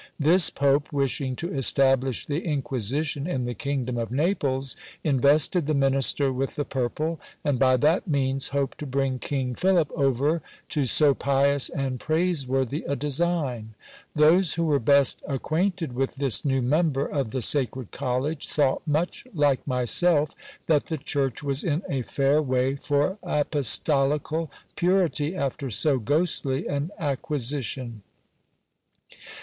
This pope, wishing to establish the inquisition in the kingdom of Naples, in vested the minister with the purple, and by that means hoped to bring King Philip over to so pious and praiseworthy a design. Those who were best ac quainted with this new member of the sacred college, thought much like myself, that the church was in a fair way for apostolical purity, after so ghostly an acquisition.